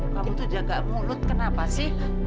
kamu tuh jaga mulut kenapa sih